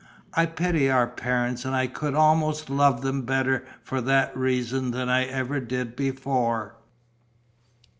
I pity our parents and I could almost love them better for that reason than I ever did before."